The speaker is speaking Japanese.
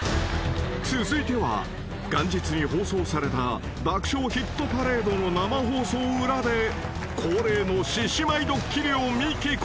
［続いては元日に放送された『爆笑ヒットパレード』の生放送裏で恒例の獅子舞ドッキリをミキ昴